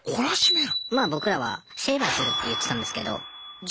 まあ僕らは「成敗する」って言ってたんですけど。